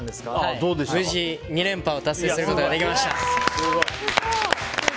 無事、２連覇を達成することができました。